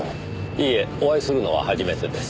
いいえお会いするのは初めてです。